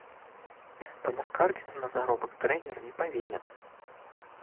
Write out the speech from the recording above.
Таму скардзіцца на заробак трэнер не павінен.